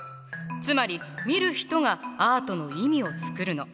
つまり見る人がアートの意味をつくるの。